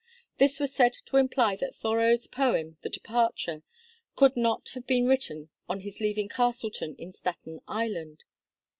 This was said to imply that Thoreau's poem 'The Departure' could not have been written on his leaving Castleton in Staten Island.